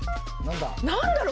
何だろう？